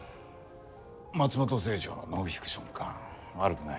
松本清張のノンフィクションか悪くない。